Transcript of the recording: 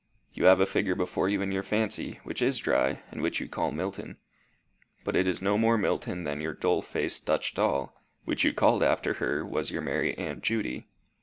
You have a figure before you in your fancy, which is dry, and which you call Milton. But it is no more Milton than your dull faced Dutch doll, which you called after her, was your merry Aunt Judy.